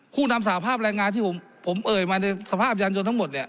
ผู้นำสภาพแรงงานที่ผมเอ่ยมาในสภาพยานยนต์ทั้งหมดเนี่ย